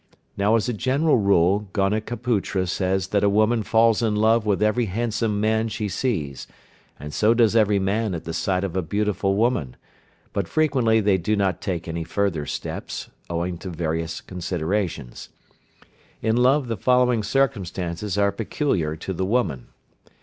Now as a general rule Gonikaputra says that a woman falls in love with every handsome man she sees, and so does every man at the sight of a beautiful woman, but frequently they do not take any further steps, owing to various considerations. In love the following circumstances are peculiar to the woman.